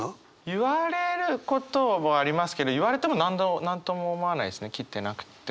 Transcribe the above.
言われることもありますけど言われても何とも思わないですね切ってなくっても。